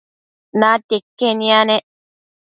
natia iquen yanec